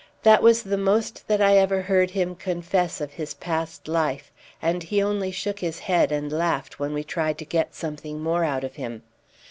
That was the most that I ever heard him confess of his past life, and he only shook his head and laughed when we tried to get something more out of him.